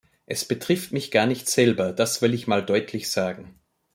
Es betrifft mich gar nicht selber, das will ich mal deutlich sagen.